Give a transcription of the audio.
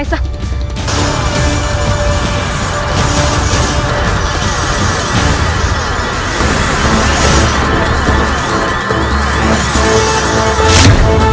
aku sudah pujian melihatmu maesah